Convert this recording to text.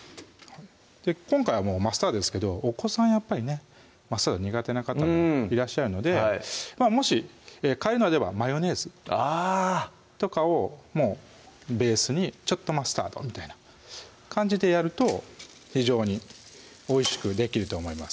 今回はマスタードですけどお子さんやっぱりねマスタード苦手な方もいらっしゃるのでもし替えるのであればマヨネーズあとかをベースにちょっとマスタードみたいな感じでやると非常においしくできると思います